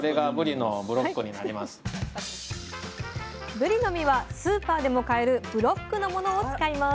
ぶりの身はスーパーでも買えるブロックのものを使います